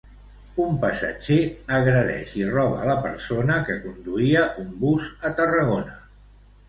Un passatger agredeix i roba la persona que conduïa un bus a Tarragona.